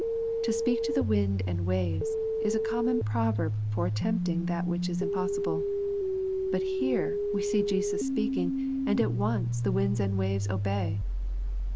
" To speak to the Winds and waves'' is a common proverb for attempt ing that which is impossible. But here we see Jesus speaking, and at once the winds and waves obey